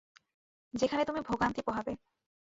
যেখানে তুমি ভোগান্তি পোহাবে।